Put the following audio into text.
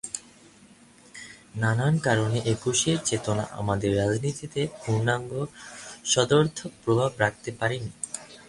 নানা কারণে একুশের চেতনা আমাদের রাজনীতিতে পূর্ণাঙ্গ, সদর্থক প্রভাব রাখতে পারেনি।